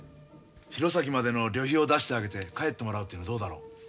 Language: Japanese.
弘前までの旅費を出してあげて帰ってもらうっていうのどうだろう？